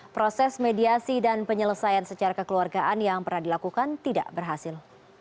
proses mediasi dan penyelesaian secara kekeluargaan yang pernah dilakukan tidak berhasil